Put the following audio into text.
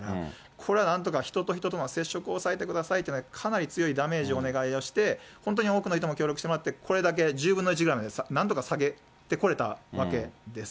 これはなんとか、人と人との接触を抑えてくださいというのを、かなり強いダメージをお願いをして、本当に多くの人に協力してもらって、これだけ１０分の１ぐらいまでなんとか下げてこれたわけです。